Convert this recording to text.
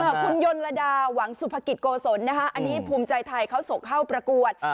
คุณยนระดาหวังสุภกิจโกศลนะฮะอันนี้ภูมิใจไทยเขาส่งเข้าประกวด